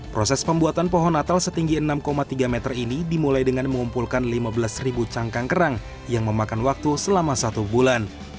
proses pembuatan pohon natal setinggi enam tiga meter ini dimulai dengan mengumpulkan lima belas cangkang kerang yang memakan waktu selama satu bulan